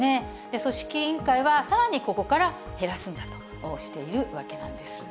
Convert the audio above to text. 組織委員会はさらにここから減らすんだとしているわけなんです。